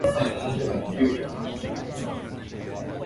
Perhaps the most peculiar development in this game was the numeric scope.